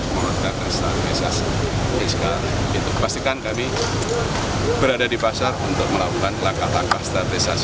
melakukan stabilisasi fiskal itu pastikan kami berada di pasar untuk melakukan laka laka stabilisasi